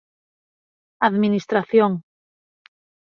Administración